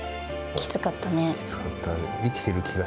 きつかった。